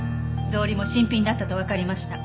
草履も新品だったとわかりました。